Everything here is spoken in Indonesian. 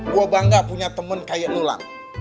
gua bangga punya temen kayak lo lam